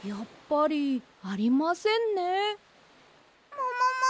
ももも？